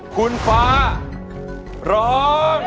คุณฟ้าร้อง